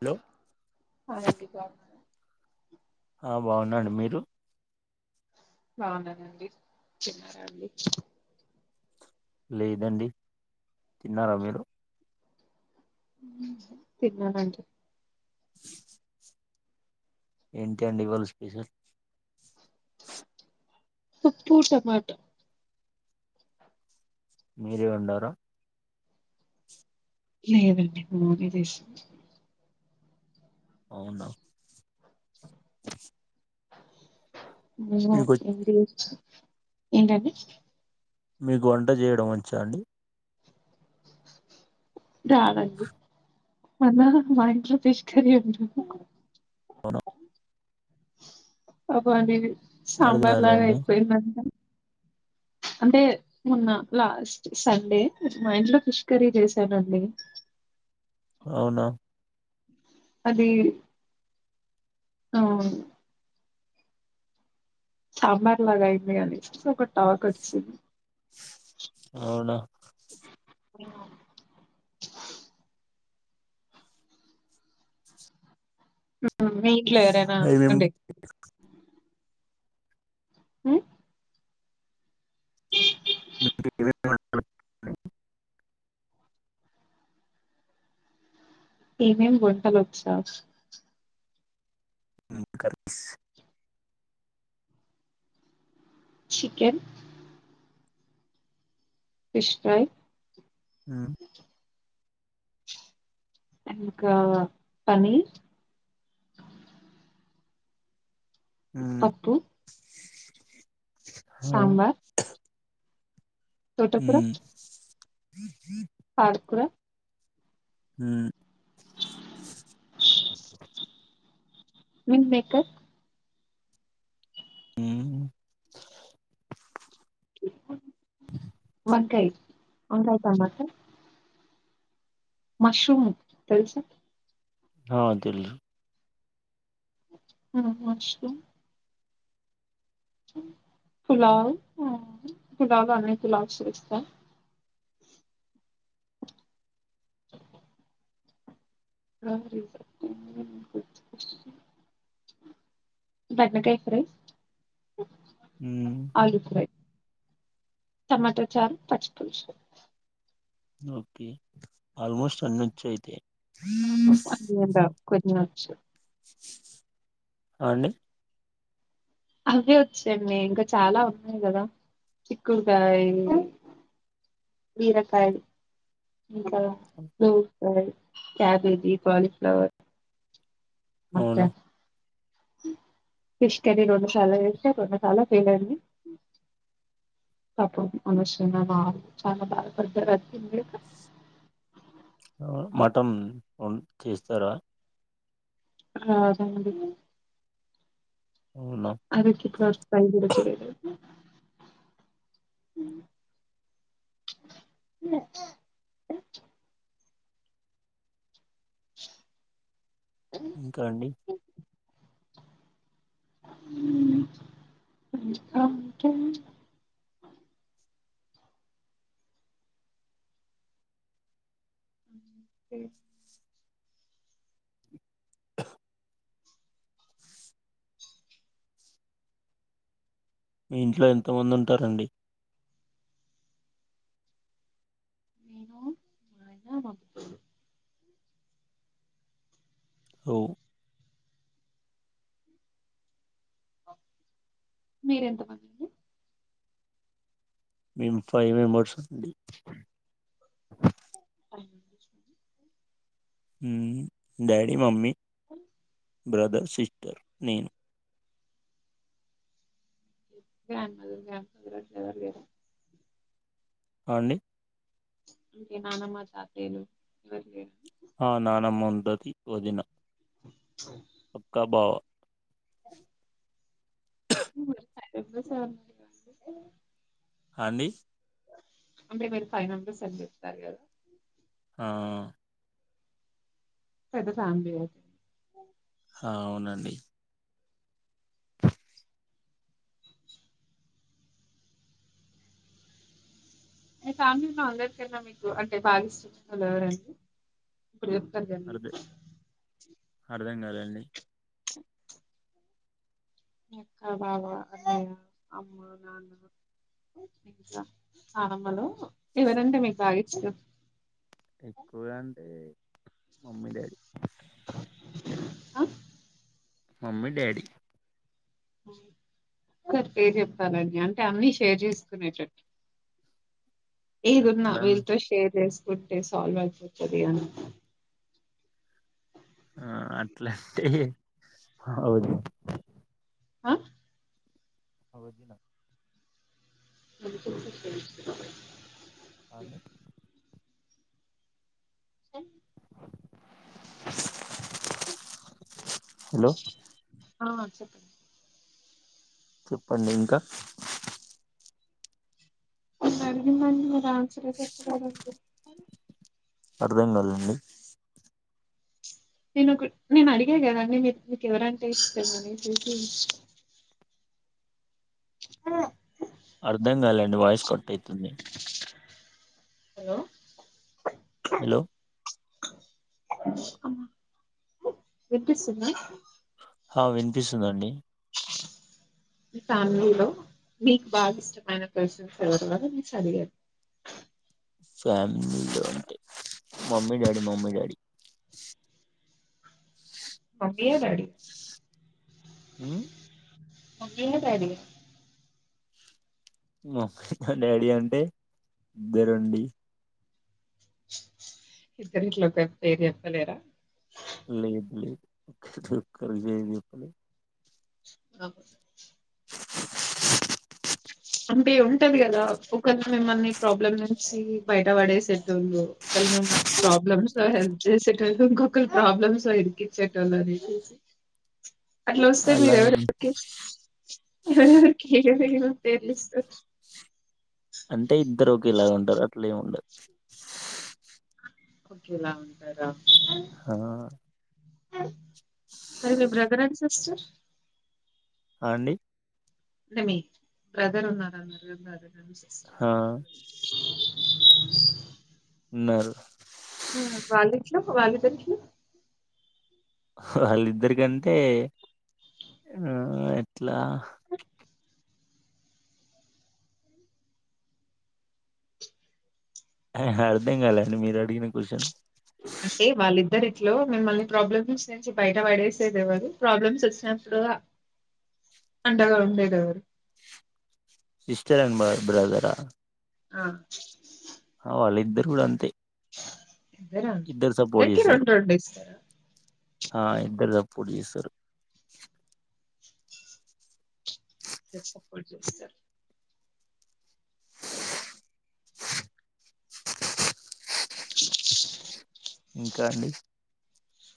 Hello అలాంటి కా ఆ బాగునండి మీరు బాగున్నానండి చిన్నారాండి లేదండి తిన్నారా మీరు తన్నంట ఏంటి అండి ఇవాళ స్పీసల్ పుప్పు టమాటా మీరే ఉండార లేదండి మ మమ్మీ జేషింది. అవునా మీకు వచ్ [unintelligible] ఏంటండీ మీకు వంట చేయడం వచ్చా అండి రాదండి అన్నరూ మాఇంట్లో ఫిష్ కర్రీ ఒండ్రు అవునా అబ అనేది అర్థం కాలే అండి సంబర్లగైపోయింది అన్నం అంటే మొన్న లాస్ట్ సండే మా ఇంట్లో ఫిష్ కర్రీ చేసానండి అవునా అది ఆ అ అవును సాంబార్ లాగా అయింది కానీ ఒక టాక్ వచ్చింది అవునా. మ్మ్ మింట్లో ఎవరైనా ఏమేం అండి మ్మ్ మీకు ఏదైనా [inaudible] ఏమేం వంటలొచ్చ ఇంకర్స్ చికెన్ ఫిష్ ఫ్రై మ్మ్ ఇంకా పనీర్ ఉమ్ పప్పు హా సాంబార్ మ్మ్ అక్కురా మ్మ్ మ్మ్ మిల్మేకర్ మ్మ్ వంకాయ్ వంకాయ తమాట మష్రూమ్ తెలుసా ఆ తెలుసు ఆ మష్రూమ్ పులావ్ పులావ అన్నీ పులావ్స్ చేస్తా రరిజకు [inaudible] బెండకాయ్ ఫ్రై ఉమ్ ఆ ఇట్స్ రైట్ టమాటో చారూ పచ్చిపులుసు ఓకే ఆల్మోస్ట్ అన్నొచ్చయితే అదేంటా కొద్దిగా కిషోర్ అ అండి అవే వచ్చండి ఇంకా చాలా ఉన్నాయి కదా చిక్కుడుకాయ్ బీరకాయ్ ఇంకా నేన్ అలాగే క్యాబేజీ కాలిఫ్లవర్ మచ్చ అవునా ఫిష్ కర్రీ రెండుసార్లు చేస్తే రెండుసార్లు ఫెయిల్ అయింది పాపం అనవసరంగా మా ఆయన చాలా బాదపడ్డారు అది తిన్లేక మటం వండ్ చేస్తారా అ అండి అవునా అదోకే [inaudible] ఇ ప్ర వ చె ఇంకా అండి కే పేర్ మీ ఇంట్లో ఎంత మంది ఉంటారండి నేను మా ఆయన మా అక్కొల్లు హో మీరెంతమందండి మేము ఫైవ్ మెంబర్స్ అండి ర డాడీ మమ్మీ అ బ్రదర్ సిస్టర్ నేను నార్మల్ గానే [inaudible] లేదు ఆ అండి ఇంకేంటి నానమ్మ తాతయ్యలు ఎవరు లేరా ఆ నానమ్మ ఉంటది వదిన అక్క బావా అ [inaudible] ఆండి అంటే మీరు పైనుంటే సరి చెపుతారు కదా ఆ పెద్ద ఫ్యామిలీ కదా ఆ అవునండి మీ ఫ్యామిలీలో అందరికన్నా మీకు అంటే బాగా ఇష్టమైన వాళ్ళు ఎవరండి ప్రప్పుడు కదనీ అర్థ అర్థం కాలేదండి. ప్చ్ మీ అక్క, బావ, అన్నయ్య, అమ్మ, నాన్న ఇంకా నాన్నఅమ్మలు ఎవరంటే మీకు బాగా ఇష్టం. ఎక్కువగా అంటే మమ్మీ, డాడి. ఆహ్ మమ్మీ, డాడీ. సార్ పేరు చెప్తానండి. అంటే అన్నీ షేర్ చేసుకునేటట్టు. ఏదున్నా అట్లా వీళ్ళతో షేర్ చేస్ వుట్టే సాల్విన్సీ వచ్చేది అను. ఆహ్ అట్లాంటే. అవుది. అ ఒకే అనుకుంటే చేయించుకోవాలి అవును ఆహ్ హలో ఆహ్ చెప్పండి. చెప్పండి ఇంకా. నేను అడిగినదానికి మీకు ఆన్స మీరు చెప్ప అర్థం కాలే అండి. నేను నేను అడిగా కదండి మీ మీకు ఎవరంటే ఇష్టం అని చూసి. ఆహ్ అర్థం కాలేండి వాయిస్ కట్ అయితుంది. హలో. హలో వినిపిస్తుందా. ఆహ్ వినిపిస్తుందండి. మీ ఫ్యామిలీలో మీకు బాగా ఇష్టమైన పర్సన్స్ ఎవరు వల్ల మీరు చదివరు. ఫ్యామిలీలో అంటే మమ్మీ, డాడీ మమ్మీ, డాడీ. మమ్మియ డాడీ. ఉమ్ మమ్మీయ, డాడీయ. మామ్మ డాడీ అంటే ఇద్దరండి. ఇద్దరిట్లో ఒకరి పేరు చేప్పలేరా. లేదు లేదు ఒకరి పేరు చెప్పలేం. ఆహ్ అంటే ఉంటది కదా ఒకళ్ళు మిమ్మల్ని ప్రాబ్లం నుంచి బయట పడేసేటోళ్ళు. ఒకళ్ళ మిమ్మల్ని ప్రాబ్లమ్స్ హెల్ప్ చేసేటోళ్ళు. ఇంకొకరు ప్రాబ్లమ్స్ లో ఇరికిచ్చేటోళ్ళు అనేసి. అట్లా వస్తే అలా ఏం- మీరెవరెవరికి ఎవరెవరికి. [unintelligible] పేర్లిస్త అంటే ఇద్దరు ఒక ఇలాగ ఉంటారు అట్లే ఏమి ఉండదు ఒకగలా ఉంటారా హా సరే మీ బ్రదర్ సిస్టర్ అండి అంటే మీ బ్రదర్ ఉన్నార మీరుఉన్నారా ఆ ఉన్నారు వాళ్ళు ఎట్లా వాళ్ళిద్దరికీ. వాళ్ళిద్దరికంటే ఆహ్ ఎట్లా. అర్థం కాలండి [unintelligible] మీరు అడిగిన క్వశ్చన్ అంటే వాళ్ళిద్దరి ఇట్లో మిమ్మల్ని ప్రాబ్లమ్స్ నుంచి బయట పడేసేది ఎవరు ప్రాబ్లమ్స్ వచ్చినప్పుడు అండగా ఉండేది ఎవరు సిస్టర్ అండ్ మై బ్రదర్ ఆ ఆ అ వాళ్లు ఇద్దరు కూడా అంతే ఇద్దరా ఇద్దరు సపోర్ట్ ఇద్దరికి చేస్తారు రెండు రెండు ఇస్తా ఆ ఇద్దరు సపోర్ట్ చేసారు ఇద్దరు సపోర్ట్ చేస్తారు ఇంకా అండి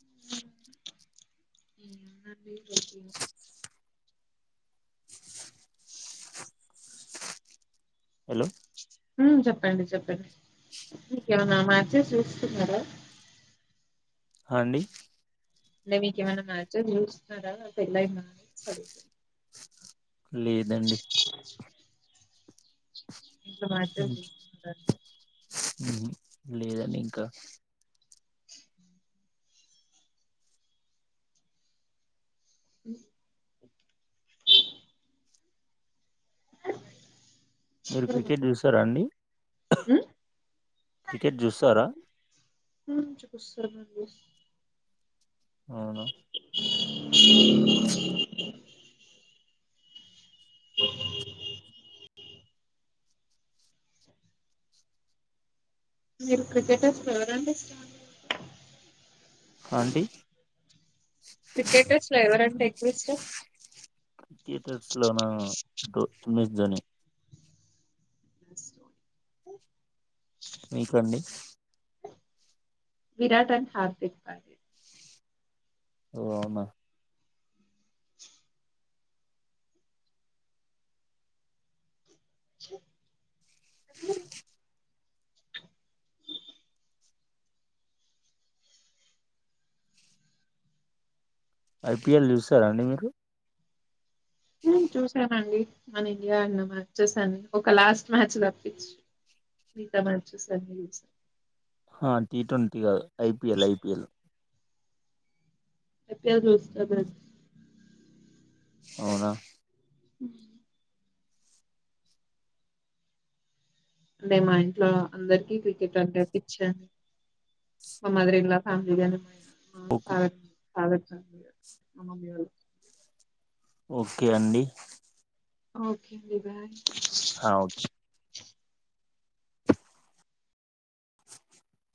[unintelligible] హలో హు చెప్పండి చెప్పండి మీకైనా మ్యాచెస్ చూస్తున్నారా అండి మీకు ఏమైనా మ్యాచెస్ చూస్తున్నార పెళ్లి అయ్యిందా [inaudible] అని ఆడు లేదండి ఇంకా మ్యాచెస్ చూస్తూ నా ఉఉ లేదండి ఇంకా ఉ మీరు క్రికెట్ క చూసారా అండి ఉహ్ క్రికెట్ చూస్తారా ఉహ్ చూస్తానండి అవునా మీరు క్రికెట్ ఎవరు అంటే ఇష్టం ఆంటీ క్రికెటర్స్ లో ఎవరంటే ఎక్కువ ఇష్టం క్రికెటర్స్ లో నా ఎంఎస్ ధోని [unintelligible] మీకు అండి విరాట్ అండ్ హార్ద్యిక్ పాండే ఓ అమ్మా ఐపీఎల్ చూసారాండి మీరు మ్మ్ చూసానండి మన ఇండియా అన్న మ్యాచెస్ అన్ని ఒక లాస్ట్ మ్యాచ్ తప్పిచ్చి మిగతా మ్యాచెస్ అన్ని చూసా. హా టీ ట్వంటీ గాదు ఐపీఎల్ ఐపీఎల్ ఐపీఎల్ చూస్తానండి అవునా హ్మ్ అంటే మా ఇంట్లో అందరికి క్రికెట్ అంటే పిచ్చి అండి మా మదర్ ఇన్లా ఫ్యామిలీగాని, మా ఆ ఓకే చాలా నాగార్జున [unintelligible] ఓకే అండి ఓకే అండి బాయ్ ఆ, ఓకే